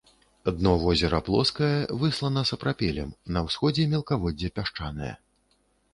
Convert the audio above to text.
Дно возера плоскае, выслана сапрапелем, на ўсходзе мелкаводдзе пясчанае.